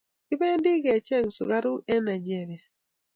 Kipendi ke cheng sukaruk en nigeria